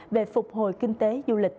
về phục hồi kinh tế du lịch